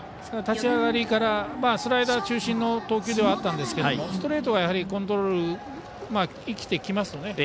立ち上がりからスライダー中心の投球ではあったんですがストレートがコントロール、生きてきますよね。